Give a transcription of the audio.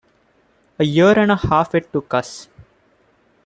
A year and a half it took us.